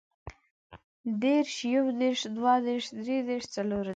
دېرش، يودېرش، دوهدېرش، دريدېرش، څلوردېرش